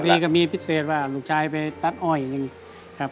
ตอนนี้ก็มีพิเศษว่าลูกชายไปตั๊ดอ้อยอย่างนี้ครับ